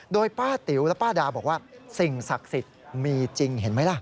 โดยป้าติ๋วและป้าดาบอกว่าสิ่งศักดิ์สิทธิ์มีจริงเห็นไหมล่ะ